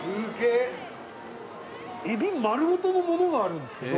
えび丸ごとのものがあるんですけど。